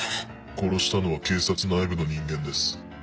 殺したのは警察内部の人間です。